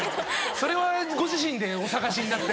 それはご自身でお探しになって。